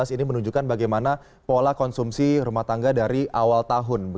ini menunjukkan bagaimana pola konsumsi rumah tangga dari awal tahun